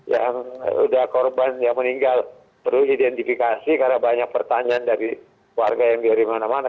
yang sudah korban yang meninggal perlu identifikasi karena banyak pertanyaan dari warga yang dari mana mana